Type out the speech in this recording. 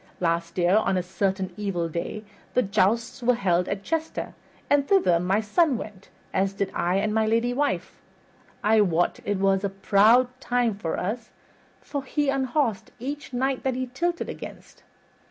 Last year, on a certain evil day, the jousts were held at Chester, and thither my son went, as did I and my lady wife. I wot it was a proud time for us, for he unhorsed each knight that he tilted against.